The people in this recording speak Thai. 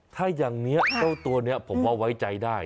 ถ้าอย่างนี้เจ้าตัวนี้ผมว่าไว้ใจได้